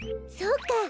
そうか。